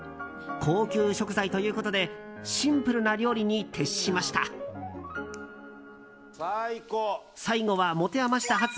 高級食材ということでシンプルな料理に徹しました。